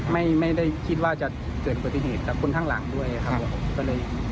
ไม่ได้คิดว่าจะเกิดอุบัติเหตุกับคนข้างหลังด้วยครับก็เลย